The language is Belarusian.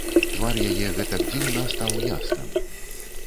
Твар яе гэтак дзіўна стаў ясным.